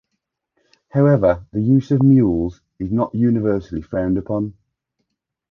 However, the use of mules is not universally frowned upon.